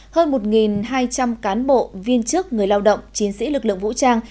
hơn một hai trăm linh cán bộ viên chức người lao động chiến sĩ lực lượng vũ trang